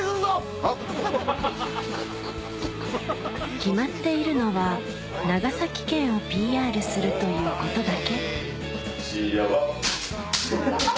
決まっているのは長崎県を ＰＲ するということだけ